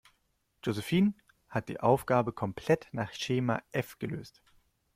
Josephine hat die Aufgabe komplett nach Schema F gelöst.